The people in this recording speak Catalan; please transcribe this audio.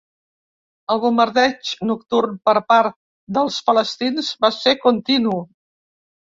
El bombardeig nocturn per part dels palestins va ser continu.